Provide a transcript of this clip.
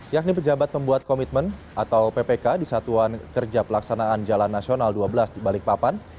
yakni pejabat pembuat komitmen atau ppk di satuan kerja pelaksanaan jalan nasional dua belas di balikpapan